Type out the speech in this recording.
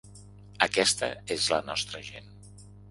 Aquesta és la nostra gent.